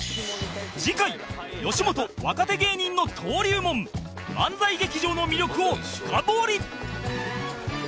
次回吉本若手芸人の登竜門漫才劇場の魅力を深掘り